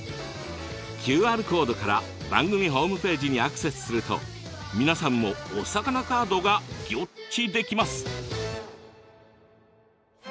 ＱＲコードから番組ホームページにアクセスすると皆さんもお魚カードがギョっちできます。